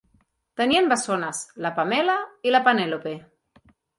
Tenien bessones, la Pamela i la Penèlope.